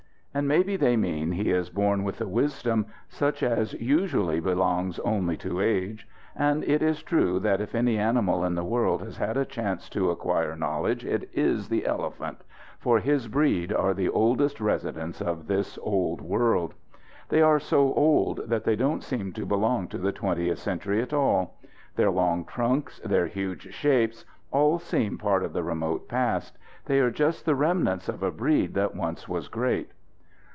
And maybe they mean he is born with a wisdom such as usually belongs only to age. And it is true that if any animal in the world has had a chance to acquire knowledge it is the elephant, for his breed are the oldest residents of this old world. They are so old that they don't seem to belong to the twentieth century at all. Their long trunks, their huge shapes, all seem part of the remote past. They are just the remnants of a breed that once was great.